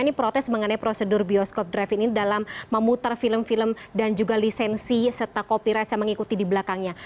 ini protes mengenai prosedur bioskop drive ini dalam memutar film film dan juga lisensi serta copy ride yang mengikuti di belakangnya